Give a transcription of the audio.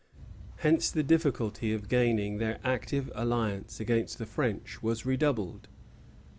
Hence the difficulty of gaining their active alliance against the French was redoubled.